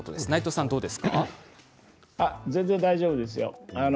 全然大丈夫ですよ。